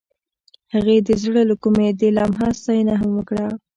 هغې د زړه له کومې د لمحه ستاینه هم وکړه.